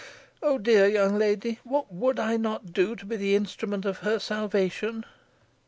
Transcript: Oh, dear young lady, what would I not do to be the instrument of her salvation!"